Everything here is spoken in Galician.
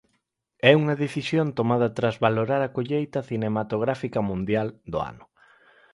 "É unha decisión tomada tras valorar a colleita cinematográfica mundial do ano".